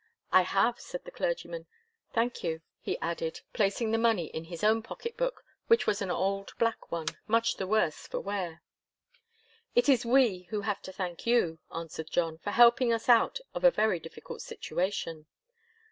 "I have," said the clergyman. "Thank you," he added, placing the money in his own pocket book, which was an old black one, much the worse for wear. "It is we who have to thank you," answered John, "for helping us out of a very difficult situation."